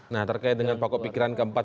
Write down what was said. nah terkait dengan pokok pikiran keempat